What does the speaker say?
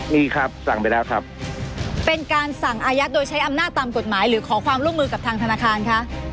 มีครับสั่งไปแล้วครับเป็นการสั่งอายัดโดยใช้อำนาจตามกฎหมายหรือขอความร่วมมือกับทางธนาคารคะ